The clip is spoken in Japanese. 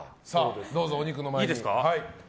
どうぞお肉の前に。